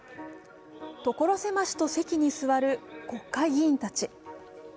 所狭しと席に座る国会議員たち。